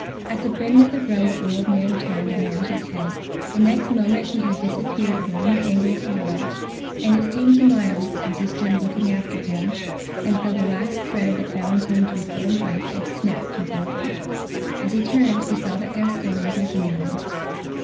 At the bend of the road the old man turned and nodded his head; the next moment he had disappeared around the angle of the wall, and it seemed to Myles, as he stood looking after him, as though the last thread that bound him to his old life had snapped and broken. As he turned he saw that Gascoyne was looking at him.